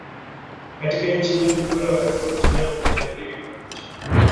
Katika nchi nyingi ubora wa hewa umepatikana huku utajiri wa nchi